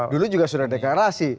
dulu juga sudah deklarasi